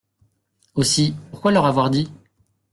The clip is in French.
Aussi, pourquoi leur avoir dit ?